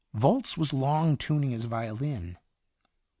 Volz was long tuning his violin.